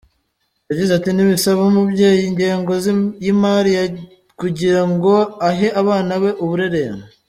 Yagize ati “ Ntibisaba umubyeyi ingengo y’imari kugira ngo ahe abana be uburere.